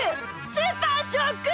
スーパーショック！